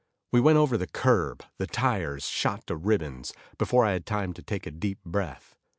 We went over the curb, the tires shot to ribbons, before I had time to take a deep breath.